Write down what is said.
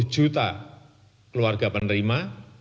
sepuluh juta keluarga penerima